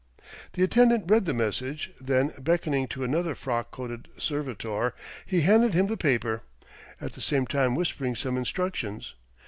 The attendant read the message, then beckoning to another frock coated servitor, he handed him the paper, at the same time whispering some instructions.